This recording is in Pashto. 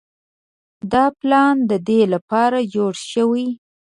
دا پلان د دې لپاره جوړ شوی.